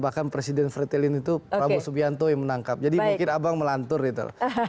bahkan presiden fretheline itu prabowo subianto yang menangkap jadi mungkin abang melantur itu